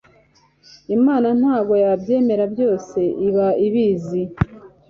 imana ntago yabyemera byose iba ibizi